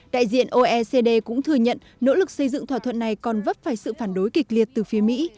đại diện oecd cũng thừa nhận nỗ lực xây dựng thỏa thuận này còn vấp phải sự phản đối kịch liệt từ phía mỹ